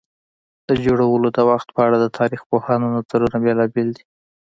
د جوړولو د وخت په اړه د تاریخ پوهانو نظرونه بېلابېل دي.